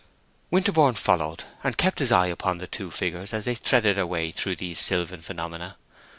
Winterborne followed, and kept his eye upon the two figures as they threaded their way through these sylvan phenomena.